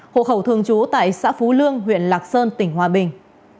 hộ khẩu thường trú tại xã phú lương huyện lạc sơn tỉnh hòa bình